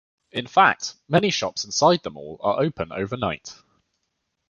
In fact, many shops inside the mall are open overnight.